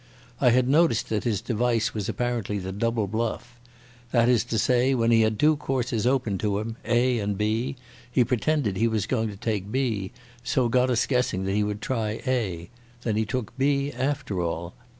I had noticed that his device was apparently the Double Bluff. That is to say, when he had two courses open to him, A and B, he pretended he was going to take B, and so got us guessing that he would try A. Then he took B after all.